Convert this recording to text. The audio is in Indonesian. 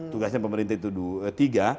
tugasnya pemerintah itu tiga